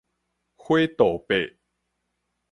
火杜伯